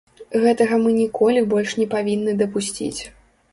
Гэтага мы ніколі больш не павінны дапусціць.